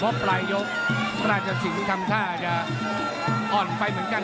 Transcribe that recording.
เพราะปลายยกต้องจะสินคำท่าจะอ่อนไฟเหมือนกัน